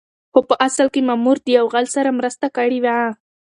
خو په اصل کې مامور د يو غل سره مرسته کړې وه.